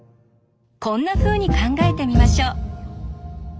こんなふうに考えてみましょう。